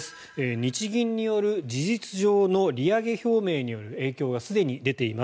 日銀による事実上の利上げ表明による影響がすでに出ています。